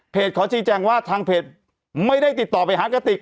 ขอชี้แจงว่าทางเพจไม่ได้ติดต่อไปหากติก